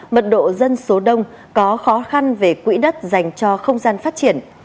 mật độ dân số đông có khó khăn về quỹ đất dành cho không gian phát triển